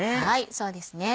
そうですね。